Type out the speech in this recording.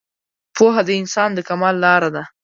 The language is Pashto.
پوهه د انسان د کمال لاره ده